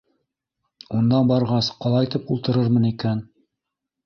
Унда барғас, ҡалайтып ултырырмын икән.